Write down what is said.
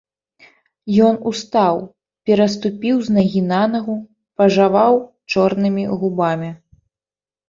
Ён устаў, пераступіў з нагі на нагу, пажаваў чорнымі губамі.